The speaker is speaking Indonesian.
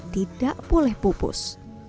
tidak boleh pupus